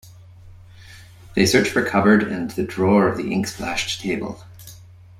They search the cupboard and the drawer of the ink-splashed table.